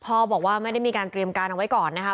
บอกว่าไม่ได้มีการเตรียมการเอาไว้ก่อนนะคะ